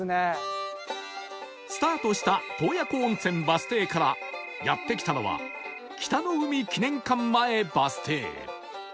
スタートした洞爺湖温泉バス停からやって来たのは北の湖記念館前バス停